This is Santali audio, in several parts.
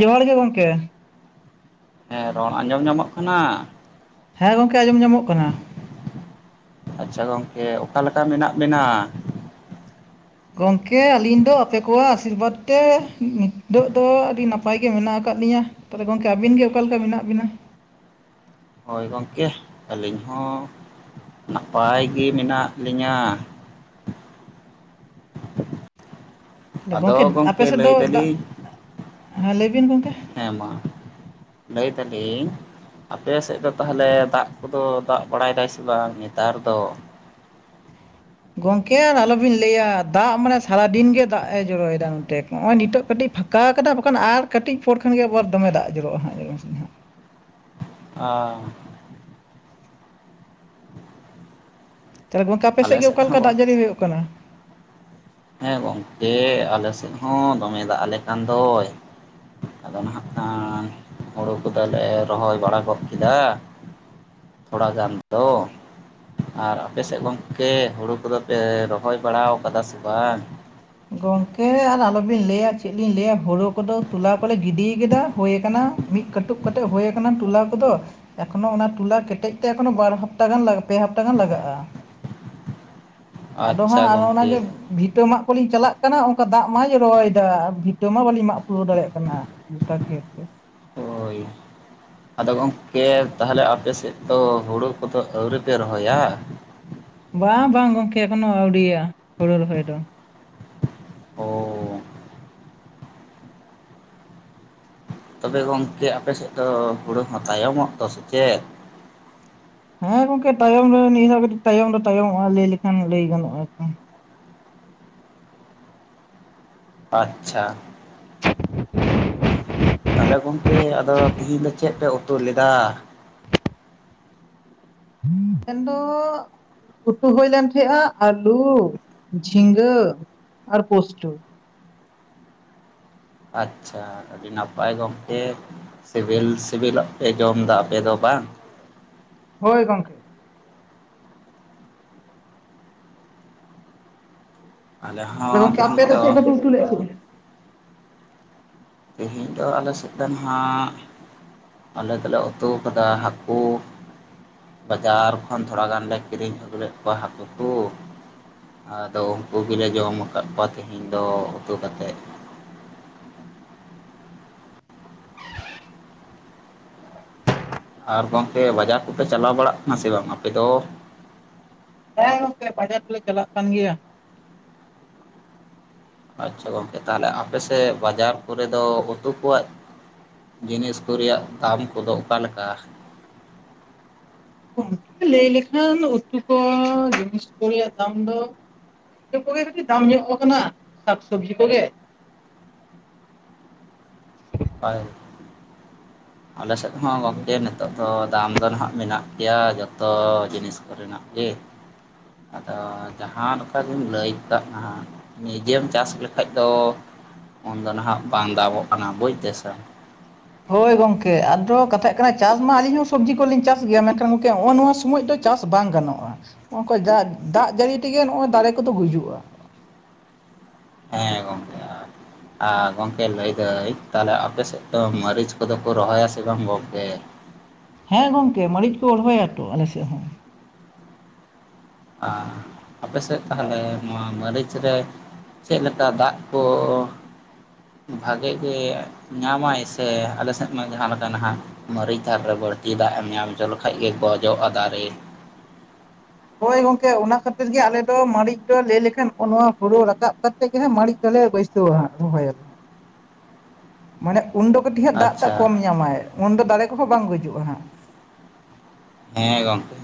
ᱡᱚᱦᱟᱨ ᱜᱮ ᱜᱚᱢᱠᱮ ᱦᱮᱸ ᱨᱚᱲ ᱟᱸᱡᱚᱢ ᱧᱟᱢᱚᱜ ᱠᱟᱱᱟ ᱦᱮᱸ ᱜᱚᱝᱠᱮ ᱟᱸᱡᱚᱢ ᱧᱟᱢᱚᱜ ᱠᱟᱱᱟ ᱟᱪᱪᱷᱟ ᱜᱚᱝᱠᱮ ᱚᱠᱟᱞᱮᱠᱟ ᱢᱮᱱᱟᱜ ᱵᱮᱱᱟ ᱜᱚᱝᱠᱮ ᱟᱹᱞᱤᱧ ᱫᱚ ᱟᱯᱮ ᱠᱚᱣᱟᱜ ᱟᱥᱤᱨᱵᱟᱫᱽ ᱛᱮ ᱱᱤᱛᱚᱜ ᱫᱚ ᱟᱹᱰᱤ ᱱᱟᱯᱟᱭ ᱜᱮ ᱢᱮᱱᱟᱜ ᱟᱠᱟᱫ ᱞᱤᱧᱟᱹ᱾ ᱛᱟᱦᱚᱞᱮ ᱜᱚᱝᱠᱮ ᱟᱹᱵᱤᱱ ᱜᱮ ᱚᱠᱟ ᱞᱮᱠᱟ ᱢᱮᱱᱟᱜ ᱵᱤᱱᱟ? ᱦᱚᱳᱭ ᱜᱚᱢᱠᱮ ᱟᱹᱞᱤᱧ ᱦᱚᱸ ᱱᱟᱯᱟᱭ ᱜᱮ ᱢᱮᱱᱟᱜ ᱞᱤᱧᱟᱹ ᱛᱟᱦᱚᱞᱮ ᱟᱫᱚ ᱟᱯᱮ ᱜᱚᱝᱠᱮ ᱥᱮᱫ ᱞᱟᱹᱭ ᱫᱚ ᱫᱟᱜ ᱫᱟᱞᱤᱧ ᱦᱮᱸ ᱞᱟᱹᱭ ᱵᱤᱱ ᱜᱚᱝᱠᱮ ᱦᱮᱸ ᱢᱟ ᱞᱟᱹᱭᱛᱟᱞᱤᱧ ᱟᱯᱮ ᱥᱮᱫ ᱫᱚ ᱛᱟᱦᱚᱞᱮ ᱫᱟᱜ ᱠᱚᱫᱚ ᱫᱟᱜ ᱵᱟᱲᱟᱭᱫᱟᱭ ᱥᱮ ᱵᱟᱝ ᱱᱮᱛᱟᱨ ᱫᱚ ᱜᱚᱢᱠᱮ ᱟᱨ ᱟᱞᱚᱵᱤᱱ ᱞᱟᱹᱭᱟ ᱫᱟᱜ ᱢᱟᱱᱮ ᱥᱟᱨᱟᱫᱤᱱ ᱜᱮ ᱫᱟᱜ ᱮ ᱡᱚᱨᱚᱭᱮᱫᱟ ᱱᱚᱛᱮ ᱱᱚᱜᱼᱚᱭ ᱱᱤᱛᱚᱜ ᱠᱟᱹᱴᱤᱡ ᱯᱷᱟ ᱼᱼ ᱠᱟ ᱠᱟᱫᱟ ᱵᱟᱠᱷᱟᱱ ᱟᱨ ᱠᱟᱹᱴᱤᱡ ᱯᱚᱨ ᱠᱷᱟᱱ ᱜᱮ ᱮᱵᱟᱨ ᱫᱚᱢᱮ ᱫᱟᱜ ᱡᱩᱨᱩᱜᱼᱟ ᱦᱟᱸᱜ ᱧᱮᱞ ᱢᱮᱥᱮ ᱱᱟᱜ᱾ ᱟ ᱛᱟᱦᱟᱞᱮ ᱜᱚᱝᱠᱮ ᱟᱯᱮ ᱟᱞᱮ ᱥᱮᱫ ᱜᱮ ᱦᱚᱸ ᱚᱠᱟᱞᱮᱠᱟ ᱜᱚᱝ ᱫᱟᱜ ᱡᱟᱹᱲᱤ ᱦᱩᱭᱩᱜ ᱠᱟᱱᱟᱹ ᱾ ᱦᱮᱸ ᱜᱚᱝᱠᱮ ᱟᱞᱮ ᱥᱮᱫ ᱦᱚᱸ ᱫᱚᱢᱮ ᱫᱟᱜ ᱟᱞᱮ ᱠᱟᱱ ᱫᱚᱭ᱾ ᱟᱫᱚ ᱦᱟᱜ ᱠᱷᱟᱱ ᱦᱩᱲᱩ ᱠᱚᱫᱚᱞᱮ ᱨᱚᱦᱚᱭ ᱵᱟᱲᱟ ᱜᱚᱫ ᱠᱮᱫᱟᱹ ᱾ ᱛᱷᱚᱲᱟ ᱜᱟᱱ ᱫᱚ᱾ ᱟᱨ ᱟᱯᱮ ᱥᱮᱫ ᱜᱚᱢᱠᱮ ᱦᱩᱲᱩ ᱠᱚᱫᱚ ᱯᱮ ᱨᱚᱦᱚᱭ ᱵᱟᱲᱟ ᱟᱠᱟᱫᱟ ᱥᱮ ᱵᱟᱝ? ᱜᱚᱝᱠᱮ ᱟᱨ ᱟᱞᱚᱵᱤᱱ ᱞᱟᱹᱭᱟ ᱪᱮᱫ ᱞᱤᱧ ᱞᱟᱹᱭᱟ ᱦᱳᱲᱩ ᱠᱚᱫᱚ ᱛᱚᱞᱟ ᱠᱚᱞᱮ ᱜᱤᱰᱤ ᱠᱮᱫᱟ ᱦᱩᱭ ᱟᱠᱟᱱᱟ ᱢᱤᱫ ᱠᱟᱹᱴᱩᱵ ᱠᱟᱛᱮ ᱦᱩᱭ ᱟᱠᱟᱱᱟ ᱴᱚᱞᱟ ᱠᱚᱫᱚ᱾ ᱮᱠᱷᱚᱱᱳ ᱚᱱᱟ ᱴᱚᱞᱟ ᱠᱮᱴᱮᱡ ᱛᱮ ᱮᱠᱷᱚᱱᱚ ᱵᱟᱨ ᱦᱟᱯᱛᱟ ᱜᱟᱱ ᱞᱟ ᱯᱮ ᱦᱟᱯᱛᱟ ᱜᱟᱱ ᱞᱟᱜᱟᱜᱼᱟ᱾ ᱟᱫᱚ ᱦᱟᱸᱜ ᱟᱪᱪᱷᱟ ᱟᱨᱦᱚᱸ ᱚᱱᱟᱜᱮ ᱜᱚᱝᱠᱮ ᱵᱷᱤᱴᱟᱹ ᱢᱟᱜ ᱠᱚᱞᱤᱧ ᱪᱟᱞᱟᱜ᱾ ᱠᱟᱱᱟ ᱚᱱᱠᱟ ᱫᱟᱜ ᱢᱟᱭ ᱨᱚᱦᱚᱭᱮᱫᱟ ᱵᱷᱤᱴᱟᱹ ᱢᱟ ᱵᱟᱹᱞᱤᱧ ᱢᱟᱜ ᱯᱩᱨᱟᱹᱣ ᱫᱟᱲᱮᱭᱟᱜ ᱠᱟᱱᱟ ᱜᱚᱴᱟ ᱠᱷᱮᱛ ᱜᱮ᱾ ᱦᱳᱭ ᱟᱫᱚ ᱜᱚᱢᱠᱮ ᱛᱟᱦᱚᱞᱮ ᱟᱯᱮ ᱥᱮᱫ ᱫᱚ ᱦᱩᱲᱩ ᱠᱚᱫᱚ ᱟᱹᱣᱨᱤᱯᱮ ᱨᱚᱦᱚᱭᱟᱹ? ᱵᱟᱝ ᱵᱟᱝ ᱜᱚᱝᱠᱮ ᱮᱠᱷᱚᱱᱳ ᱟᱹᱣᱰᱤᱭᱟ ᱦᱩᱲᱩ ᱨᱚᱦᱚᱭ ᱫᱚ᱾ ᱚ [unintelligible] ᱛᱚᱵᱮ ᱜᱚᱝᱠᱮ ᱟᱯᱮ ᱥᱮᱫ ᱫᱚ ᱦᱩᱲᱩ ᱦᱚᱸ ᱛᱟᱭᱚᱢᱚᱜ ᱫᱚ ᱥᱮ ᱪᱮᱫ? ᱦᱮᱸ ᱜᱚᱝᱠᱮ ᱛᱟᱭᱚᱢ ᱨᱮ ᱱᱤᱭᱟᱹ ᱫᱷᱟᱣ ᱫᱚ ᱠᱟᱹᱴᱤᱡ ᱛᱟᱭᱚᱢ ᱛᱟᱭᱚᱢᱚᱜᱼᱟ ᱞᱟᱹᱭ ᱞᱮᱠᱷᱟᱱ ᱞᱟᱹᱭ ᱜᱟᱱᱚᱜᱼᱟᱨᱠᱤ᱾ ᱟᱪᱪᱷᱟ ᱛᱟᱦᱚᱞᱮ ᱜᱚᱝᱠᱮ ᱟᱫᱚ ᱛᱤᱦᱤᱧ ᱫᱚ ᱪᱮᱫ ᱯᱮ ᱩᱛᱩ ᱞᱮᱫᱟ? [inaudible] ᱢᱮᱱᱫᱚ ᱩᱛᱩ ᱦᱩᱭ ᱞᱮᱱ ᱛᱟᱦᱮᱸᱜᱼᱟ ᱟᱹᱞᱩ ᱡᱷᱤᱸᱜᱟᱹ ᱟᱨ ᱯᱩᱥᱴᱩ᱾ ᱟᱪᱪᱷᱟ ᱟᱹᱰᱤ ᱱᱟᱯᱟᱭ ᱜᱚᱝᱠᱮ᱾ ᱥᱤᱵᱤᱞ ᱥᱤᱵᱤᱞᱟᱜ ᱯᱮ ᱡᱚᱢ ᱮᱫᱟ ᱟᱯᱮ ᱫᱚ ᱵᱟᱝ? ᱦᱳᱭ ᱜᱚᱝᱠᱮ᱾ ᱟᱞᱮ ᱛᱚᱵᱮ ᱦᱚᱸ ᱜᱚᱝᱠᱮ ᱛᱮᱦᱮᱧ ᱟᱯᱮ ᱫᱚ ᱪᱮᱫ ᱠᱚᱯᱮ ᱩᱛᱩ ᱞᱮᱜ ᱟ ᱛᱚᱵᱮ᱾ ᱛᱮᱦᱮᱧ ᱫᱚ ᱟᱞᱮ ᱥᱮᱫ ᱫᱚ ᱱᱟᱸᱜ᱾ ᱟᱞᱮ ᱫᱚᱞᱮ ᱩᱛᱩ ᱠᱟᱫᱟ ᱦᱟᱹᱠᱩ᱾ ᱵᱟᱡᱟᱨ ᱠᱷᱚᱱ ᱛᱷᱚᱲᱟ ᱜᱟᱱᱞᱮ ᱠᱤᱨᱤᱧ ᱟᱹᱜᱩ ᱞᱮᱫ ᱠᱚᱣᱟ ᱦᱟᱹᱠᱩ ᱠᱚ᱾ ᱟᱫᱚ ᱩᱱᱠᱩ ᱜᱮᱞᱮ ᱡᱚᱢ ᱟᱠᱟᱫ ᱠᱚᱣᱟ ᱛᱤᱦᱤᱧ ᱫᱚ ᱩᱛᱩ ᱠᱟᱛᱮᱫ᱾ ᱟᱨ ᱜᱚᱝᱠᱮ ᱵᱟᱡᱟᱨ ᱠᱚᱯᱮ ᱪᱟᱞᱟᱣ ᱵᱟᱲᱟᱜ ᱠᱟᱱᱟ ᱥᱮ ᱵᱟᱝ ᱟᱯᱮ ᱫᱚ? ᱦᱮᱸ ᱜᱚᱝᱠᱮ ᱵᱟᱡᱟᱨ ᱫᱚ ᱞᱮ ᱪᱟᱞᱟᱜ ᱠᱟᱱ ᱜᱮᱭᱟ᱾ ᱟᱪᱪᱷᱟ ᱜᱚᱝᱠᱮ ᱛᱟᱦᱚᱞᱮ ᱟᱯᱮ ᱥᱮᱫ ᱵᱟᱡᱟᱨ ᱠᱚᱨᱮ ᱫᱚ ᱩᱛᱩ ᱠᱚᱣᱟᱜ ᱡᱤᱱᱤᱥ ᱠᱚ ᱨᱮᱭᱟᱜ ᱫᱟᱢ ᱠᱚᱫᱚ ᱚᱠᱟᱞᱮᱠᱟ᱾ ᱜᱚᱝᱠᱮ ᱞᱟᱹᱭ ᱞᱮᱠᱷᱟᱱ ᱩᱛᱩ ᱠᱚ ᱡᱤᱱᱤᱥ ᱠᱚ ᱨᱮᱭᱟᱜ ᱫᱟᱢ ᱫᱚ᱾ ᱩᱛᱩ ᱠᱚᱜᱮ ᱠᱟᱹᱴᱤᱡ ᱫᱟᱢ ᱧᱚᱜ ᱟᱠᱟᱱᱟ ᱥᱟᱠ ᱥᱚᱵᱽᱡᱤ ᱠᱚᱜᱮ᱾ ᱦᱚᱭ ᱟᱞᱮ ᱥᱮᱫ ᱦᱚᱸ ᱜᱚᱝᱠᱮ ᱱᱤᱛᱚᱜ ᱫᱚ ᱫᱟᱢ ᱫᱚ ᱱᱟᱦᱟᱜ ᱢᱮᱱᱟᱜ ᱜᱮᱭᱟ ᱡᱚᱛᱚ ᱡᱚᱛᱚ ᱡᱤᱱᱤᱥ ᱠᱚᱨᱮᱱᱟᱜ ᱜᱮ᱾ ᱟᱫᱚ ᱡᱟᱦᱟᱸ ᱞᱮᱠᱟᱜᱤᱢ ᱞᱟᱹᱭ ᱠᱟᱜ᱾ ᱱᱤᱡᱮᱢ ᱪᱟᱥ ᱞᱮᱠᱷᱟᱡ ᱫᱚ ᱩᱱᱫᱚ ᱱᱟᱦᱟᱜ ᱵᱟᱝ ᱫᱟᱢᱚᱜ ᱠᱟᱱᱟ ᱵᱩᱡᱽᱫᱟᱥᱮ᱾ ᱦᱳᱭ ᱜᱚᱝᱠᱮ ᱟᱫᱚ ᱠᱟᱛᱷᱟᱜ ᱠᱟᱱᱟ ᱪᱟᱥ ᱢᱟ ᱟᱹᱞᱤᱧ ᱦᱚᱸ ᱥᱚᱵᱽᱡᱤ ᱠᱚᱞᱤᱧ ᱪᱟᱥ ᱜᱮᱭᱟ ᱢᱮᱱᱠᱷᱟᱱ ᱜᱚᱝᱠᱮ ᱱᱚᱜ-ᱚ ᱱᱚᱣᱟ ᱥᱚᱢᱚᱭ ᱫᱚ ᱪᱟᱥ ᱵᱟᱝ ᱜᱟᱱᱚᱜᱼᱟ ᱱᱚᱜ ᱫᱟᱜ ᱡᱟᱹᱲᱤ ᱛᱮᱜᱮ ᱱᱚᱜᱼᱚᱭ ᱫᱟᱨᱮ ᱠᱚᱫᱚ ᱜᱩᱡᱩᱜᱼᱟ᱾ ᱦᱮᱸ ᱜᱚᱢᱠᱮ ᱟᱨ᱾ ᱟᱨ ᱜᱚᱢᱠᱮ ᱞᱟᱹᱭᱫᱟᱹᱧ ᱛᱟᱦᱚᱞᱮ ᱟᱯᱮ ᱥᱮᱫ ᱫᱚ ᱢᱟᱹᱨᱤᱪ ᱠᱚᱫᱚ ᱠᱚ ᱨᱚᱦᱚᱭᱟ ᱥᱮ ᱵᱟᱝ ᱜᱚᱝᱠᱮ? ᱦᱮᱸ ᱜᱚᱢᱠᱮ ᱢᱟᱹᱲᱤᱡ ᱠᱚ ᱨᱚᱦᱚᱭᱟ ᱛᱚ ᱟᱞᱮᱥᱮᱫ ᱦᱚᱸ᱾ ᱟᱨ ᱟᱯᱮ ᱥᱮᱫ ᱛᱟᱦᱚᱞᱮ ᱱᱚᱣᱟ ᱢᱟᱹᱨᱤᱪ ᱨᱮ ᱪᱮᱫ ᱞᱮᱠᱟ ᱫᱟᱜ ᱠᱚ᱾ ᱵᱷᱟᱜᱮ ᱜᱮ ᱧᱟᱢᱟᱭ ᱥᱮ ᱟᱞᱮᱥᱮᱜ ᱢᱟ ᱡᱟᱦᱟᱸ ᱞᱮᱠᱟ ᱱᱟᱦᱟᱜ, ᱢᱟᱨᱟᱹᱨᱤᱡ ᱛᱷᱟᱨ ᱨᱮ ᱵᱟᱹᱲᱛᱤ ᱫᱟᱜ ᱮᱢ ᱧᱟᱢ ᱦᱚᱪᱚ ᱞᱮᱠᱷᱟᱱᱡ ᱜᱮ ᱜᱚᱡᱚᱜᱼᱟ ᱫᱟᱨᱮ᱾ ᱦᱳᱭ ᱜᱚᱝᱠᱮ ᱚᱱᱟ ᱠᱷᱟᱹᱛᱤᱨ ᱜᱮ ᱟᱞᱮ ᱫᱚ ᱢᱟᱹᱲᱤᱡ ᱫᱚ ᱞᱟᱹᱭ ᱞᱮᱠᱷᱟᱱ ᱱᱚᱜ ᱱᱚᱣᱟ ᱦᱩᱲᱩ ᱨᱟᱠᱟᱵ ᱠᱟ [unintelligible] ᱢᱟᱹᱲᱤᱡ ᱫᱚᱞᱮ ᱵᱟᱹᱭᱥᱟᱹᱣᱟ ᱨᱚᱦᱚᱭᱟᱞᱮ ᱦᱟᱸᱜ [inaudible] [unintelligible] ᱩᱱ ᱫᱚ ᱠᱟᱹᱴᱤᱡ ᱦᱟᱜ ᱫᱟᱜ ᱫᱟᱜ ᱟᱪᱪᱷᱟ ᱠᱚᱢ ᱧᱟᱢᱟᱭ ᱩᱱ ᱫᱚ ᱫᱟᱲᱮ ᱠᱚᱦᱚᱸ ᱵᱟᱝ ᱜᱩᱡᱩᱜᱼᱟ ᱦᱟᱸᱜ, ᱦᱮᱸ ᱜᱚᱝᱠᱮ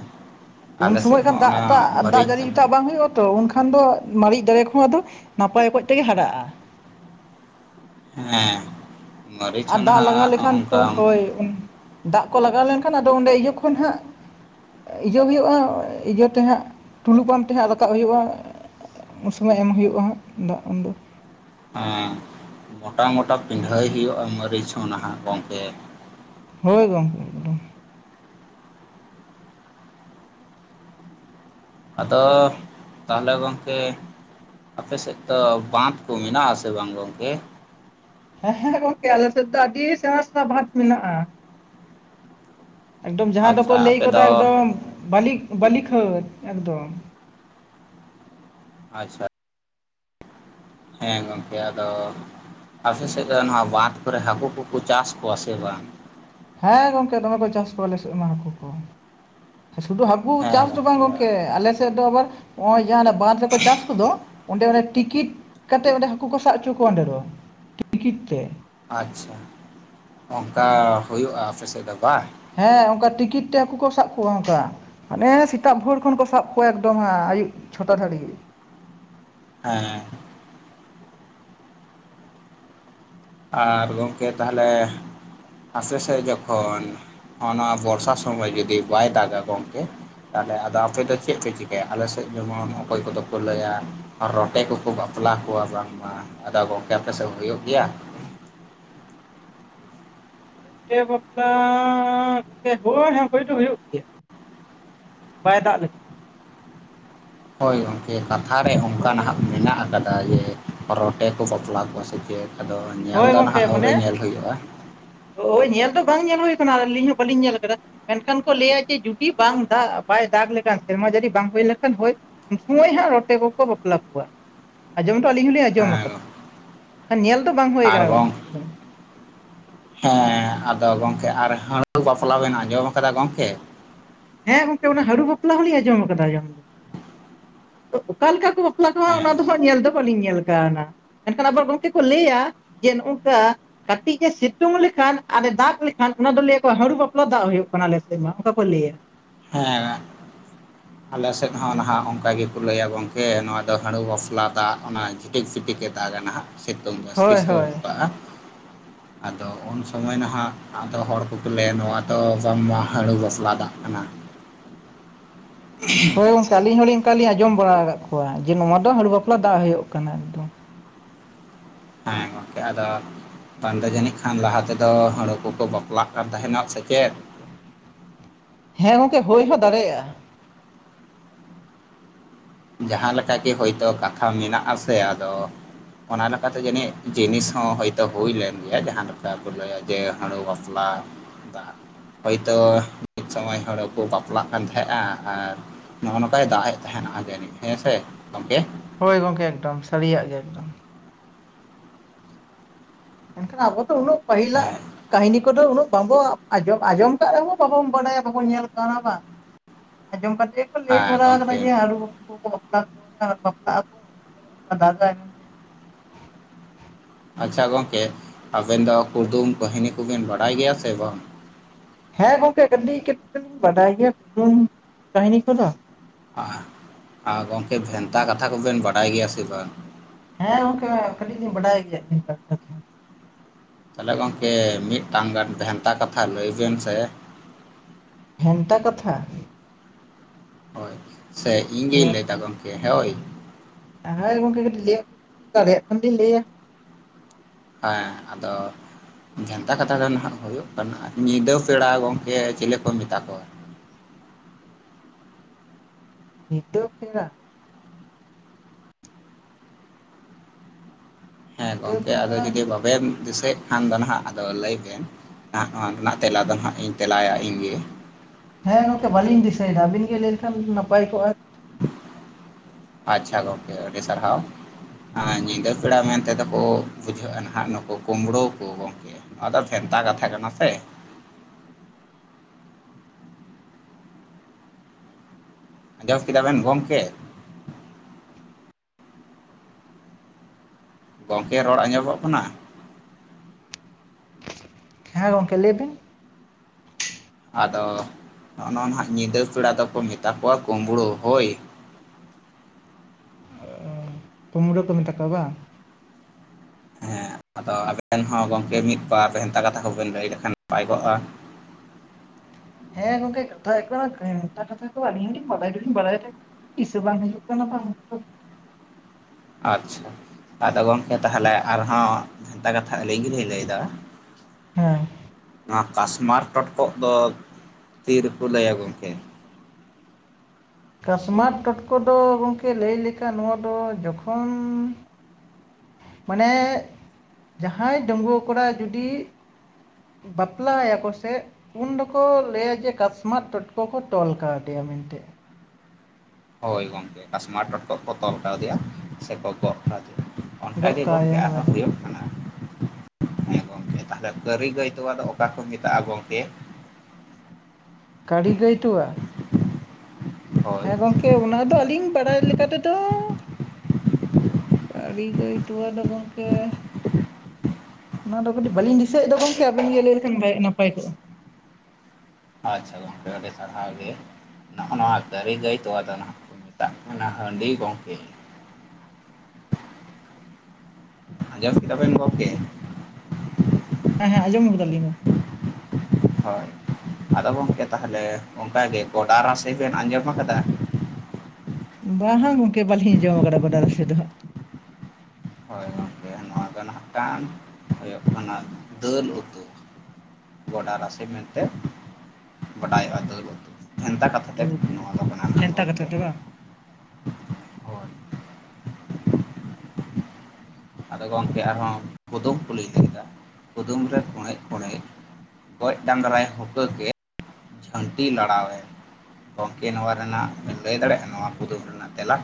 ᱩᱱ ᱥᱚᱢᱚᱭ [unintelligible] ᱫᱟᱜ ᱫᱟᱜ ᱫᱟᱜ ᱡᱟᱹᱲᱤ ᱴᱟᱜ ᱵᱟᱝ ᱦᱩᱭᱩᱜᱼᱟ᱾ ᱛᱚ ᱩᱱᱠᱷᱟᱱ ᱫᱚ ᱢᱟᱹᱲᱤᱡ ᱫᱟᱨᱮ ᱠᱚ ᱟᱫᱚ ᱱᱟᱯᱟᱭ ᱚᱠᱚᱡ ᱛᱮᱜᱮ ᱦᱟᱲᱟᱜᱼᱟ᱾ ᱦᱮᱸ ᱢᱟᱹᱨᱤᱪ ᱦᱚᱸ [unintelligible] ᱫᱟᱜ ᱞᱟᱜᱟᱣ ᱱᱟᱦᱟᱜ ᱞᱮᱠᱷᱟᱱ ᱛᱚ ᱚᱱᱠᱟ ᱦᱳᱭ ᱫᱟᱜ ᱠᱚ ᱞᱟᱜᱟᱣ ᱞᱮᱱᱠᱷᱟᱱ ᱟᱫᱚ ᱚᱸᱰᱮ ᱤᱭᱟᱹ ᱠᱷᱚᱱ ᱦᱟᱸᱜ, ᱤᱭᱟᱹ ᱦᱩᱭᱩᱜᱼᱟ ᱤᱭᱟᱹ ᱛᱮ ᱦᱟᱸᱜ ᱴᱩᱞᱩ ᱯᱟᱢᱯ ᱛᱮ ᱦᱟᱸᱜ ᱨᱟᱠᱟᱵ ᱦᱩᱭᱩᱜᱼᱟ ᱾ ᱩᱱ ᱥᱚᱢᱚᱭ ᱮᱢ ᱦᱩᱭᱩᱜᱼᱟ ᱦᱟᱸᱜ ᱫᱟᱜ ᱫᱚ ᱦᱟ ᱢᱚᱴᱟ ᱢᱚᱴᱟ ᱯᱤᱸᱰᱷᱟᱹᱭ ᱦᱩᱭᱩᱜᱼᱟ ᱢᱟᱹᱨᱤᱪ ᱦᱚᱸ ᱱᱟᱦᱟᱜ ᱜᱚᱝᱠᱮ᱾ ᱦᱳᱭ ᱜᱚᱝᱠᱮ ᱮᱠᱫᱚᱢ ᱛᱚ ᱛᱟᱦᱚᱞᱮ ᱜᱚᱝᱠᱮ ᱟᱯᱮ ᱥᱮᱜ ᱫᱚ ᱵᱟᱸᱫᱽ ᱠᱚ ᱢᱮᱱᱟᱜ ᱟᱥᱮ ᱵᱟᱝ ᱜᱚᱝᱠᱮ? ᱦᱮᱸ ᱦᱮᱸ ᱜᱚᱝᱠᱮ ᱟᱞᱮᱥᱮᱫ ᱫᱚ ᱟᱹᱰᱤ ᱥᱮᱬᱟ ᱥᱮᱬᱟ ᱵᱟᱸᱫᱽ ᱢᱮᱱᱟᱜᱼᱟ ᱾ ᱮᱠᱰᱚᱢ ᱡᱟᱦᱟᱸ ᱫᱚᱠᱚ ᱟᱪᱪᱷᱟ ᱞᱟᱹᱭ ᱟᱯᱮ ᱜᱚᱫᱟ ᱫᱚ ᱮᱠᱰᱚᱢ ᱵᱟᱹᱞᱤ, ᱵᱟᱹᱞᱤ ᱠᱷᱟᱹᱲ ᱮᱠᱰᱚᱢ ᱟᱪᱪᱷᱟ ᱦᱮᱸ ᱜᱚᱝᱠᱮ ᱟᱫᱚ? ᱟᱯᱮ ᱥᱮᱜ ᱫᱚ ᱮᱱᱦᱚᱸ ᱵᱟᱸᱫᱷ ᱠᱚᱨᱮ ᱦᱟᱹᱠᱩ ᱠᱚᱠᱚ ᱪᱟᱥ ᱠᱚᱣᱟ ᱥᱮ ᱵᱟᱝ? ᱦᱮᱸ ᱜᱚᱝᱠᱮ ᱫᱚᱢᱮ ᱠᱚ ᱪᱟᱥ ᱠᱚᱣᱟ ᱟᱞᱮ ᱥᱮᱜ ᱢᱟ ᱦᱟᱹᱠᱩ ᱠᱚ ᱥᱩᱫᱷᱩ ᱦᱟᱠ [unintelligible] [unintelligible] ᱦᱮᱸ ᱪᱟᱥ ᱫᱚ ᱵᱟᱝ ᱜᱚᱢᱠᱮ ᱜᱚᱝᱠᱮ ᱟᱞᱮ ᱥᱮᱫ ᱫᱚ ᱟᱵᱟᱨ, ᱱᱚᱜᱼᱚᱭ ᱡᱟᱦᱟᱸ ᱨᱮ ᱵᱟᱸᱫᱽ ᱨᱮᱠᱚ ᱪᱟᱥ ᱠᱚᱫᱚ ᱚᱸᱰᱮ ᱚᱱᱮ ᱴᱤᱠᱤᱴ, ᱠᱟᱛᱮ ᱚᱸᱰᱮ ᱦᱟᱹᱠᱩ ᱠᱚ ᱥᱟᱵ ᱚᱪᱚ ᱠᱚᱣᱟ ᱚᱸᱰᱮ ᱫᱚ [inaudible] ᱛᱮ ᱟᱪᱪᱷᱟ ᱚᱱᱠᱟ ᱦᱩᱭᱩᱜᱼᱟ ᱟᱯᱮ ᱥᱮᱜ ᱫᱚ ᱵᱟᱝ? ᱦᱮᱸ ᱚᱱᱠᱟ ᱴᱤᱠᱤᱴ ᱴᱮ ᱦᱟᱹᱠᱩ ᱠᱚ ᱥᱟᱵ ᱠᱚᱣᱟ ᱚᱱᱠᱟ᱾ ᱦᱟᱸᱱᱮᱻ ᱥᱮᱛᱟᱜ ᱵᱷᱳᱨ ᱠᱷᱚᱱ ᱠᱚ ᱥᱟᱵ ᱠᱚᱣᱟ ᱮᱠᱰᱚᱢ ᱦᱟᱜ ᱟᱹᱭᱵ ᱪᱷᱚᱴᱟ ᱫᱷᱟᱹᱲᱤᱡ ᱾ ᱦᱮᱸ [unintelligible] ᱟᱨ ᱜᱚᱝᱠᱮ ᱛᱟᱦᱚᱞᱮ ᱟᱯᱮ ᱥᱮᱡ ᱡᱚᱠᱷᱳᱱ? ᱚᱱᱟ ᱵᱚᱨᱥᱟ ᱥᱚᱢᱚᱭ ᱡᱩᱫᱤ ᱵᱟᱭ ᱫᱟᱜᱟ ᱜᱚᱝᱠᱮ ᱛᱟᱦᱚᱞᱮ ᱟᱫᱚ ᱟᱯᱮ ᱫᱚ ᱪᱮᱫ ᱯᱮ ᱪᱮᱤᱠᱟᱹᱭᱟ ᱟᱞᱮ ᱥᱮᱜ ᱡᱮᱢᱚᱱ ᱚᱠᱚᱭ ᱠᱚᱫᱚ ᱠᱚ ᱞᱟᱹᱭᱟ? ᱨᱚᱴᱮ ᱠᱚᱠᱚ ᱵᱟᱯᱞᱟ ᱠᱚᱣᱟ ᱵᱟᱝᱢᱟ ᱟᱫᱚ ᱜᱚᱝᱠᱮ ᱟᱯᱮᱥᱮᱜ ᱦᱳᱭᱩᱜ ᱜᱮᱭᱟ? ᱨᱚᱴᱮ ᱵᱟᱯᱞᱟ [inaudible] ᱦᱩᱭᱫᱚ ᱦᱩᱭᱩᱜ ᱜᱮᱭᱟ ᱵᱟᱭ ᱫᱟᱜ ᱞᱮᱠᱷᱟᱱ, ᱦᱳᱭ ᱜᱚᱝᱠᱮ ᱠᱟᱛᱷᱟ ᱨᱮ ᱚᱱᱠᱟ ᱦᱳᱭ ᱢᱟᱱᱮ ᱱᱟᱦᱟᱜ ᱢᱮᱱᱟᱜ ᱟᱠᱟᱫᱼᱟ᱾ [unintelligible] ᱨᱚᱴᱮ ᱠᱚ ᱵᱟᱯᱞᱟ ᱠᱚᱣᱟ ᱥᱮ ᱪᱮᱜ ᱟᱫᱚ ᱧᱮᱞ ᱦᱳᱭ ᱫᱚ ᱜᱚᱝᱠᱮ ᱱᱟᱦᱟᱜ ᱟᱹᱣᱨᱮ ᱢᱟᱱᱮ ᱧᱮᱞ ᱦᱭᱩᱜᱼᱟ᱾ [unintelligible] ᱧᱮᱞ ᱫᱚ ᱵᱟᱝ ᱧᱮᱞ ᱦᱩᱭ ᱠᱟᱱᱟ ᱟᱹᱞᱤᱧ ᱦᱚᱸ ᱵᱟᱹᱞᱤᱧ ᱧᱮᱞ ᱟᱠᱟᱫᱟ᱾ ᱢᱮᱱᱠᱷᱟᱱ ᱠᱚ ᱞᱟᱹᱭᱟ ᱡᱮ ᱡᱩᱰᱤ ᱵᱟᱝ ᱫᱟᱜ ᱵᱟᱭ ᱫᱟᱜ ᱞᱮᱠᱷᱟᱱ ᱥᱮᱨᱢᱟ ᱡᱟᱹᱲᱤ ᱵᱟᱝ ᱦᱩᱭ ᱞᱮᱱᱠᱷᱟᱱ ᱦᱳᱭ, [unintelligible] ᱥᱚᱢᱚᱭ ᱦᱟᱸᱜ ᱨᱚᱴᱮ ᱠᱚ ᱠᱚ ᱵᱟᱯᱞᱟ ᱠᱚᱣᱟ᱾ ᱟᱸᱡᱚᱢ ᱰᱚ ᱟᱹᱞᱤᱧ ᱦᱚᱞᱤᱧ ᱟᱸᱡᱚᱢ ᱦᱮᱸ ᱟᱠᱟᱫᱼᱟ [unintelligible] ᱧᱮᱞ, ᱫᱚ ᱵᱟᱝ ᱦᱩᱭ ᱟᱨ ᱠᱟᱱᱟ ᱜᱚᱝ [unintelligible] ᱜᱚᱝᱠᱮ ᱮᱠᱫᱚᱢ᱾ ᱦᱮᱸ ᱟᱫᱚ ᱜᱚᱝᱠᱮ ᱟᱨ ᱦᱟᱹᱲ ᱵᱟᱯᱞᱟ ᱵᱮᱱ ᱟᱸᱡᱚᱢ ᱠᱟᱫᱟ ᱜᱚᱝᱠᱮ ᱦᱮᱸ ᱜᱚᱝᱠᱮ ᱚᱱᱟ ᱦᱟᱹᱨᱩ ᱵᱟᱯᱞᱟ ᱦᱚᱸ ᱞᱤᱧ ᱟᱸᱡᱚᱢ ᱟᱠᱟᱫᱟ ᱟᱸᱡᱚᱢ ᱫᱚ ᱟᱫᱚ ᱚᱠᱟᱠᱟ ᱠᱚ ᱵᱟᱵ? [unintelligible] ᱠᱚ ᱦᱟᱸᱜ ᱦᱮᱸ ᱚᱱᱟ ᱫᱚ ᱦᱟᱸᱜ ᱧᱮᱞ ᱫᱚ ᱵᱟᱹᱞᱤᱧ ᱧᱮᱞ ᱟᱠᱟᱣᱱᱟ ᱢᱮᱱᱠᱷᱟᱱ [unintelligible] ᱜᱚᱝᱠᱮ ᱠᱚ ᱞᱟᱹᱭᱟ ᱡᱮ ᱱᱚᱝᱠᱟ, ᱠᱟᱹᱴᱤᱪ ᱮ ᱥᱤᱛᱩᱝ ᱞᱮᱠᱷᱟᱱ ᱟᱨᱮ ᱫᱟᱜ ᱞᱮᱠᱷᱟᱱ ᱚᱱᱟ ᱫᱚ ᱞᱟᱹᱭᱟᱠᱚ ᱦᱟᱹᱲᱩ ᱵᱟᱯᱞᱟ ᱫᱟᱜ ᱦᱩᱭᱩᱜ ᱠᱟᱱᱟ ᱟᱞᱮᱥᱮᱜ ᱢᱟ ᱚᱱᱠᱟ ᱠᱚ ᱞᱟᱹᱭᱟ᱾ ᱦᱮᱸ ᱟᱞᱮ ᱥᱮᱜ ᱦᱚᱸ ᱱᱟᱦᱟᱜ ᱚᱱᱠᱟ ᱜᱮᱠᱚ ᱞᱟᱹᱭᱟ ᱜᱚᱝᱠᱮ ᱱᱚᱣᱟ ᱫᱚ ᱦᱟᱸᱲᱩ ᱵᱟᱯᱞᱟ ᱫᱟᱜ ᱚᱱᱟ ᱡᱷᱤᱴᱤᱠ ᱥᱤᱴᱤᱠ ᱮ ᱫᱟᱻᱜᱟ ᱱᱟᱦᱟᱜ᱾ ᱥᱮᱛᱩᱢ ᱫᱚ [unintelligible] ᱦᱳᱭ ᱦᱳᱭ ᱠᱟᱜᱼᱟᱺ ᱟᱫᱚ ᱩᱱ ᱥᱚᱢᱚᱭ ᱱᱟᱦᱟᱜ ᱟᱫᱚ ᱦᱚᱲ ᱠᱚ ᱠᱚ ᱞᱟᱹᱭᱟ ᱱᱚᱣᱟ ᱫᱚ ᱵᱟᱝᱢᱟ ᱦᱟᱸᱲᱩ ᱵᱟᱯᱞᱟ ᱫᱟᱜ ᱠᱟᱱᱟ᱾ ᱦᱳ ᱜᱚᱝᱠᱮ ᱟᱹᱞᱤᱧ ᱦᱚᱸᱞᱤᱧ ᱚᱱᱠᱟᱞᱤᱧ ᱟᱸᱡᱚᱢ ᱵᱟᱲᱟ ᱟᱠᱟᱫ ᱠᱚᱣᱟ ᱡᱮ ᱱᱚᱣᱟ ᱫᱚ ᱦᱟᱹᱲᱲᱩ ᱵᱟᱯᱞᱟ ᱫᱟᱜ ᱦᱩᱭᱩᱜ ᱠᱟᱱᱟ ᱦᱮ ᱜᱚᱝᱠᱮ ᱟᱫᱚ ᱵᱟᱝ ᱫᱚ ᱡᱟᱹᱱᱤᱡ ᱠᱷᱟᱱ ᱞᱟᱦᱟ ᱛᱮᱫᱚ ᱦᱟᱲᱩ ᱠᱚᱠᱚ ᱵᱟᱯᱞᱟᱜ ᱠᱟᱱ ᱛᱟᱦᱮᱱᱟᱜ ᱥᱮ ᱪᱮᱫ ᱦᱮᱸ ᱜᱚᱝᱠᱮ ᱦᱳᱭ ᱦᱚᱸ ᱫᱟᱲᱮᱭᱟᱜᱼᱟ ᱡᱟᱦᱟᱸ ᱞᱮᱠᱟᱜᱤ ᱦᱳᱭᱛᱳ ᱠᱟᱛᱷᱟ ᱢᱮᱱᱟᱜᱥᱮ ᱟᱫᱚ ᱚᱱᱟ ᱞᱮᱠᱟᱛᱮ ᱡᱟᱹᱱᱤᱡ ᱡᱤᱱᱤᱥ ᱦᱚᱸ ᱦᱚᱭ ᱛᱳ ᱦᱩᱭ ᱞᱮᱱ ᱜᱮᱭᱟ ᱡᱟᱦᱟᱸ ᱞᱮᱠᱟ ᱠᱚ ᱞᱟᱹᱭᱟ ᱡᱮ ᱦᱟᱹᱲᱩ ᱵᱟᱯᱞᱟ ᱦᱳᱭ ᱛᱳ ᱢᱤᱫ ᱥᱚᱢᱚᱭ ᱦᱟᱹᱲᱩ ᱠᱚ ᱵᱟᱯᱞᱟᱜ ᱠᱟᱱ ᱛᱟᱦᱮᱜᱼᱟ ᱟᱨ ᱱᱚᱜᱼᱚᱭ ᱱᱚᱝᱠᱟᱭ ᱫᱟᱜ ᱮᱫ ᱛᱟᱦᱮᱱᱟ ᱟᱜᱮ ᱨᱮ ᱦᱮᱸ ᱥᱮ ᱜᱚᱝᱠᱮ ᱦᱳᱭ ᱜᱚᱝᱠᱮ ᱮᱠᱫᱚᱢ ᱥᱟᱹᱨᱤᱭᱟᱜ ᱜᱮ ᱮᱠᱫᱚᱢ ᱢᱮᱱᱠᱷᱟᱱ ᱟᱵᱚ ᱫᱚ ᱩᱱᱟᱹᱜ ᱯᱟᱹᱦᱤᱞᱟᱜ ᱦᱮᱸ ᱠᱟᱹᱦᱱᱤ ᱠᱚᱫᱚ ᱩᱱᱟᱹᱜ ᱵᱟᱝᱵᱚ ᱟᱸᱚᱢ ᱟᱸᱡᱚᱢ ᱠᱟᱜ ᱨᱮᱦᱚᱸ ᱵᱟᱵᱚᱱ ᱵᱟᱰᱟᱭᱟ ᱵᱟᱵᱚᱱ ᱧᱮᱞ ᱠᱟᱱᱟ ᱵᱟᱝ ᱟᱸᱡᱚᱢ ᱠᱟᱛᱮ ᱞᱟᱭ ᱦᱮᱸ ᱵᱟᱨᱟ ᱠᱟᱱᱟ ᱜᱚᱢᱠᱮ ᱡᱮ ᱟᱪᱪᱷᱟ ᱜᱚᱝᱠᱮ ᱟᱵᱮᱱ ᱫᱚ ᱠᱩᱫᱩᱢ ᱠᱟᱹᱦᱤᱱᱤ ᱠᱚᱵᱮᱱ ᱵᱟᱲᱟᱭ ᱜᱮᱭᱟ ᱥᱮ ᱵᱟᱝ ᱦᱮᱸ ᱜᱚᱝᱠᱮ ᱠᱟᱹᱴᱤᱡ ᱠᱟᱹᱴᱤᱡ ᱫᱚᱞᱤᱧ ᱵᱟᱰᱟᱭ ᱜᱮᱭᱟ ᱠᱩᱫᱩᱢ ᱠᱟᱹᱦᱤᱱᱤ ᱠᱚᱫᱚ ᱟ ᱜᱚᱝᱠᱮ ᱵᱷᱮᱱᱛᱟ ᱠᱟᱛᱷᱟ ᱠᱚᱵᱮᱱ ᱵᱟᱰᱟᱭ ᱜᱮᱭᱟ ᱥᱮ ᱵᱟᱝ ᱦᱮᱸ ᱜᱚᱝᱠᱮ ᱠᱷᱟᱹᱴᱤ ᱞᱤᱧ ᱵᱟᱰᱟᱭ ᱜᱮᱭᱟ ᱛᱟᱦᱚᱞᱮ ᱜᱚᱝᱠᱮ ᱢᱤᱫᱴᱟᱝ ᱜᱟᱱ ᱵᱷᱮᱱᱛᱟ ᱠᱟᱛᱷᱟ ᱞᱟᱹᱭ ᱵᱮᱱ ᱥᱮ ᱵᱷᱮᱱᱛᱟ ᱠᱟᱛᱷᱟ ᱦᱳᱭ ᱥᱮ ᱤᱧᱜᱤᱧ ᱞᱟᱹᱭᱫᱟ ᱜᱚᱝᱠᱮ ᱦᱳᱭ ᱦᱮᱸ ᱜᱚᱝᱠᱮ ᱠᱟᱹᱴᱤᱡ ᱞᱟᱹ ᱫᱟᱲᱮᱭᱟᱜ ᱠᱷᱟᱱᱵᱤᱧ ᱞᱟᱹᱭᱟ ᱦᱮᱸ ᱟᱫᱚ ᱵᱷᱮᱱᱛᱟ ᱠᱟᱛᱷᱟ ᱫᱚ ᱱᱟᱦᱟᱸᱜ ᱦᱩᱭᱩᱜ ᱠᱟᱱᱟ ᱧᱤᱫᱟᱹ ᱯᱮᱲᱟ ᱜᱚᱝᱠᱮ ᱪᱤᱞᱮ ᱠᱚ ᱢᱮᱛᱟ ᱠᱚᱣᱟ ᱧᱤᱫᱟᱹ ᱯᱮᱲᱟ ᱦᱮᱸ ᱜᱚᱝᱠᱮ ᱟᱫᱚ ᱡᱩᱫᱤ ᱵᱟᱵᱮᱢ ᱫᱤᱥᱟᱹᱜ ᱠᱷᱟᱱ ᱫᱚ ᱱᱟᱦᱟᱸᱜ ᱟᱫᱚ ᱞᱟᱹᱭ ᱵᱮᱱ ᱱᱟᱜ ᱱᱚᱣᱟ ᱨᱮᱱᱟᱜ ᱛᱮᱞᱟ ᱫᱚ ᱦᱟᱸᱜ ᱤᱧ ᱛᱮᱞᱟᱭᱟ ᱤᱧᱜᱮ ᱦᱮᱸ ᱜᱚᱝᱠᱮ ᱵᱟᱹᱞᱤᱧ ᱫᱤᱥᱟᱹᱭ ᱫᱟ ᱟᱹᱵᱤᱱ ᱜᱮ ᱞᱟᱹᱭ ᱞᱮᱠᱷᱟᱱ ᱱᱟᱯᱟᱭ ᱠᱚᱜᱼᱟ ᱟᱪᱪᱷᱟ ᱜᱚᱝᱠᱮ ᱟᱹᱰᱤ ᱥᱟᱨᱦᱟᱣ ᱟᱨ ᱧᱤᱫᱟᱹ ᱯᱮᱲᱟ ᱢᱮᱱᱛᱮᱫᱚ ᱠᱚ ᱵᱩᱡᱷᱟᱹᱜᱼᱟ ᱱᱟᱦᱟᱸᱜ ᱱᱩᱠᱩ ᱠᱩᱢᱵᱩᱲᱳᱣ ᱠᱚ ᱜᱚᱝᱠᱮ ᱟᱫᱚ ᱵᱷᱮᱱᱛᱟ ᱠᱟᱛᱷᱟ ᱠᱟᱱᱟ ᱥᱮ ᱟᱸᱡᱚᱢ ᱠᱮᱫᱟ ᱵᱮᱮᱱ ᱜᱚᱝᱠᱮ ᱜᱚᱝᱠᱮ ᱨᱚᱲ ᱟᱸᱡᱚᱢᱚᱜ ᱠᱟᱱᱟ ᱦᱮᱸ ᱜᱚᱝᱠᱮ ᱞᱟᱹᱭᱵᱤᱱ ᱟᱫᱚ ᱱᱚᱜᱼᱚ ᱱᱟᱦᱟᱸᱜ ᱧᱤᱫᱟᱹ ᱯᱮᱲᱟ ᱫᱚᱠᱚ ᱢᱮᱛᱟ ᱠᱚᱣᱟ ᱠᱩᱢᱵᱽᱲᱩ ᱦᱳᱭ ᱠᱩᱢᱲᱩ ᱠᱚ ᱢᱮᱛᱟᱠᱚᱣᱟ ᱵᱟ ᱦᱮᱸ ᱟᱫᱚ ᱟᱵᱮᱱ ᱦᱚᱸ ᱜᱚᱝᱠᱮ ᱢᱤᱫ ᱵᱟᱨ ᱵᱷᱮᱱᱛᱟ ᱠᱟᱛᱷᱟ ᱠᱚᱵᱮᱱ ᱞᱟᱹᱭ ᱞᱮᱠᱷᱟᱱ ᱱᱟᱳᱟᱭ ᱠᱚᱜᱼᱟ ᱦᱮᱸ ᱜᱚᱝᱠᱮ ᱠᱟᱛᱷᱟ ᱦᱩᱭᱩᱜ ᱠᱟᱱᱟ ᱵᱷᱮᱱᱛᱟ ᱠᱟᱛᱷᱟ ᱛᱚ ᱟᱹᱞᱤᱧ ᱦᱚᱸᱞᱤᱧ ᱵᱟᱰᱟᱭ ᱫᱚ ᱞᱤᱧ ᱵᱟᱰᱟᱭ ᱫᱤᱥᱟᱹ ᱵᱟᱝ ᱦᱮᱡᱩ ᱠᱟᱱᱟ ᱵᱟᱝ ᱟᱪᱪᱷᱟ ᱟᱫᱚ ᱜᱚᱝᱠᱮ ᱛᱟᱦᱚᱞᱮ ᱟᱨᱦᱚᱸ ᱵᱷᱮᱱᱛᱟ ᱠᱟᱛᱷᱟ ᱟᱹᱞᱤᱧ ᱜᱮᱞᱤᱧ ᱞᱟᱹᱭ ᱫᱟ ᱦᱮᱸ ᱠᱟᱥᱢᱟᱨ ᱴᱚᱴ ᱠᱚᱜ ᱫᱚ ᱛᱤᱨᱮᱠᱚ ᱞᱟᱹᱭᱟ ᱜᱚᱝᱠᱮ ᱠᱟᱥᱢᱟᱨ ᱴᱚᱴᱠᱚ ᱫᱚ ᱜᱚᱝᱠᱮ ᱞᱟᱹᱭ ᱞᱮᱠᱟ ᱱᱚᱣᱟ ᱫᱚ ᱡᱚᱠᱷᱚᱱ ᱢᱟᱱᱮ ᱡᱟᱦᱟᱸᱭ ᱰᱟᱺᱜᱩᱣᱟᱹ ᱠᱚᱲᱟ ᱡᱩᱫᱤ ᱵᱟᱯᱞᱟᱭ ᱟᱠᱚᱭ ᱥᱮ ᱩᱱ ᱫᱚᱠᱚ ᱞᱟᱹᱭᱟ ᱡᱮ ᱠᱟᱥᱢᱟ ᱴᱚᱴᱠᱚ ᱠᱚ ᱛᱚᱞ ᱠᱟᱣᱫᱮᱭᱟ ᱢᱮᱱᱛᱮ ᱦᱳᱭ ᱜᱚᱝᱠᱮ ᱠᱟᱥᱢᱟᱨ ᱴᱚᱴ ᱠᱚ ᱠᱚ ᱛᱚᱞ ᱠᱟᱣᱫᱤᱭᱟ ᱥᱮᱠᱚ ᱛᱚᱞ ᱠᱟᱫᱤᱭᱟ ᱚᱱᱠᱟ ᱜᱚᱜ ᱜᱮ ᱜᱚᱝᱠᱮ ᱠᱟᱭᱟ ᱟᱨᱦᱚᱸ ᱦᱳᱭ ᱦᱩᱭᱩᱜ ᱠᱟᱱᱟ ᱦᱮᱸ ᱜᱚᱝᱠᱮ ᱛᱟᱦᱚᱞᱮ ᱠᱟᱹᱨᱤ ᱜᱟᱹᱭ ᱛᱚᱣᱟ ᱫᱚ ᱚᱠᱟ ᱠᱚ ᱢᱮᱛᱟᱜᱼᱟ ᱜᱚᱝᱠᱮ ᱠᱟᱹᱨᱤ ᱜᱟᱹᱭ ᱛᱳᱣᱟ᱾ [unintelligible] ᱜᱚᱝᱠᱮ ᱚᱱᱟ ᱫᱚ ᱟᱹᱞᱤᱧ ᱵᱟᱲᱟᱭ ᱞᱮᱠᱟ ᱛᱮᱫᱚ ᱜᱟᱹᱲᱤ ᱜᱟᱹᱭ ᱛᱳᱣᱟ ᱫᱚ ᱜᱚᱝᱠᱮ ᱚᱱᱟ ᱫᱚ ᱠᱟᱹᱴᱤᱡ ᱵᱟᱹᱞᱤᱧ ᱫᱤᱥᱟᱹᱭᱮ ᱫᱚ ᱜᱚᱝᱠᱮ ᱟᱹᱵᱤᱱ ᱜᱮ ᱞᱟᱹᱭ ᱞᱮᱠᱷᱟᱱ ᱵᱟᱭ ᱱᱟᱯᱟᱭ ᱠᱚᱜᱼᱟ? ᱟᱪᱪᱷᱟ ᱜᱚᱝᱠᱮ ᱟᱹᱰᱤ ᱥᱟᱨᱦᱟᱣ ᱜᱮ᱾ ᱱᱚᱜᱼᱚ ᱱᱚᱶᱟ ᱠᱟᱹᱨᱤ ᱜᱟᱹᱭ ᱛᱳᱣᱟ ᱫᱚ ᱱᱷᱟᱜ ᱠᱚ ᱢᱮᱛᱟᱜ ᱠᱟᱱᱟ ᱦᱟᱺᱰᱤ, ᱜᱚᱝᱠᱮ᱾ ᱟᱡᱸᱚᱢ ᱠᱮᱫᱟᱵᱮᱱ ᱜᱚᱢᱠᱮ? ᱦᱮᱸ ᱦᱮᱸ ᱟᱸᱡᱚᱢ ᱟᱠᱟᱫᱟᱞᱤᱧ᱾ ᱦᱳᱭ᱾ ᱟᱫᱚ ᱜᱚᱢᱠᱮ ᱛᱟᱦᱞᱮ ᱚᱱᱠᱟ ᱜᱮ ᱜᱚᱰᱟ ᱨᱟᱥᱮ ᱵᱮᱱ ᱟᱸᱡᱚᱢ ᱟᱠᱟᱫᱟ? ᱵᱟᱝᱟ ᱜᱚᱢᱠᱮ ᱵᱟᱹᱞᱤᱧ ᱟᱸᱡᱚᱢ ᱟᱠᱟᱫᱟ ᱜᱚᱰᱟ ᱨᱟᱥᱮ ᱫᱚ᱾ ᱦᱳᱭ ᱜᱚᱝᱠᱮ ᱱᱚᱶᱟ ᱫᱚ ᱦᱟᱸᱜ ᱠᱟᱱ, ᱦᱩᱭᱩᱜ ᱠᱟᱱᱟ ᱫᱟᱹᱞ ᱩᱛᱩ᱾ ᱜᱚᱰᱟ ᱨᱟᱥᱮ ᱢᱮᱱᱛᱮ ᱵᱟᱰᱟᱭᱚᱜᱼᱟ ᱫᱟᱹᱞ ᱩᱛᱩ ᱵᱷᱮᱱᱛᱟ ᱠᱟᱛᱷᱟ ᱛᱮ ᱱᱚᱶᱟ ᱫᱚ᱾ ᱠᱟᱱᱟ ᱱᱟᱜ ᱵᱷᱮᱱᱛᱟ ᱠᱟᱛᱷᱟ ᱜᱚᱢᱠᱮ ᱛᱮ ᱵᱟᱝ? ᱦᱳᱭ ᱟᱫᱚ ᱜᱚᱢᱠᱮ ᱟᱨᱦᱚᱸ ᱠᱩᱫᱩᱢ ᱠᱚᱞᱤᱧ ᱞᱟᱹᱭᱟ ᱠᱩᱫᱩᱢ ᱨᱮ ᱠᱩᱬᱤᱫ ᱠᱩᱬᱤᱫ ᱜᱚᱡ ᱰᱟᱝᱨᱟᱭ ᱦᱩᱠᱟᱹ ᱠᱮᱫ ᱡᱷᱟᱹᱱᱴᱤ ᱞᱟᱲᱟᱣᱮᱱ, ᱜᱚᱢᱠᱮ ᱱᱚᱶᱟ ᱨᱮᱱᱟᱜ ᱵᱮᱱ ᱞᱟᱹᱭ ᱫᱟᱲᱮᱭᱟᱜᱼᱟ ᱱᱚᱶᱟ ᱠᱩᱫᱩᱢ ᱨᱮᱱᱟᱜ ᱛᱮᱞᱟ?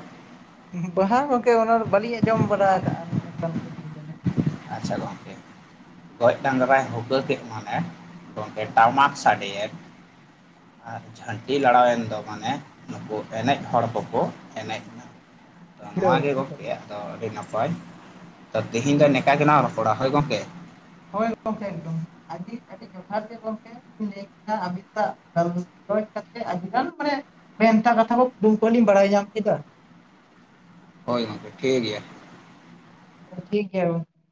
ᱵᱟᱦᱟ ᱜᱚᱝᱠᱮ, ᱚᱱᱟ ᱫᱚ ᱵᱟᱹᱞᱤᱧ ᱟᱸᱡᱚᱢ ᱵᱟᱲᱟ ᱟᱠᱟᱫᱼᱟ ᱱᱚᱜ-ᱚ ᱱᱚᱝᱠᱟ ᱠᱩᱫᱩᱢ᱾ ᱫᱚ ᱦᱟᱸᱜ ᱟᱪᱪᱷᱟ ᱜᱚᱝᱠᱮ᱾ ᱜᱚᱡ ᱰᱟᱝᱨᱟᱭ ᱦᱩᱠᱟᱹ ᱠᱮᱫ ᱢᱟᱱᱮ ᱜᱚᱝᱠᱮ ᱴᱟᱢᱟᱠ ᱥᱟᱰᱮᱭᱮᱱ᱾ ᱟᱨ ᱡᱷᱟᱹᱱᱴᱤ ᱞᱟᱲᱟᱣᱮᱱ ᱫᱚ ᱢᱟᱱᱮ ᱱᱩᱠᱩ ᱮᱱᱮᱡ ᱦᱚᱲ ᱠᱚᱠᱚ ᱮᱱᱮᱡ᱾ [inaudible] ᱱᱚᱣᱟ ᱵᱩᱡᱷᱟᱹᱣ ᱵᱮᱱ ᱜᱮ ᱥᱮ ᱪᱮᱫ ᱜᱚᱢᱠᱮ ᱜᱚᱝᱠᱮ? ᱟᱫᱚ ᱟᱹᱰᱤ ᱱᱟᱯᱟᱭ᱾ ᱛᱚ ᱛᱮᱦᱮᱸᱧ ᱫᱚ ᱱᱤᱝᱠᱟ ᱜᱮᱞᱟᱝ ᱨᱚᱯᱚᱲᱟ ᱦᱳᱭ ᱜᱚᱝᱠᱮ᱾ ᱦᱳᱭ ᱜᱟᱝᱠᱮ ᱮᱠᱫᱚᱢ ᱟᱹᱰᱤᱡ ᱟᱹᱰᱤᱡ ᱡᱚᱛᱷᱟᱛ ᱜᱮ ᱜᱚᱝᱠᱮ ᱵᱤᱱ ᱞᱟᱹᱭ ᱠᱮᱫᱟ ᱟᱹᱵᱤᱱᱟᱜ ᱜᱟᱞᱚᱪ ᱠᱷᱚᱡ ᱠᱟᱛᱮ ᱟᱹᱰᱤᱜᱟᱱ ᱢᱟᱱᱮ ᱵᱷᱮᱱᱛᱟ ᱠᱟᱛᱷᱟ ᱠᱩᱢᱯᱟᱹᱱᱤᱢ ᱵᱟᱲᱟᱭ ᱧᱟᱢ ᱠᱮᱫᱟ᱾ ᱦᱳᱭ ᱜᱚᱢᱠᱮ ᱴᱷᱤᱠ ᱜᱮᱭᱟ᱾ ᱴᱷᱤᱠ ᱜᱮᱭᱟ᱾